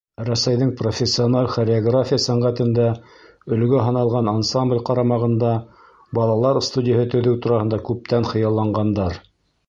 Рәсәйҙең профессиональ хореография сәнғәтендә өлгө һаналған ансамбль ҡарамағында балалар студияһы төҙөү тураһында күптән хыялланғандар.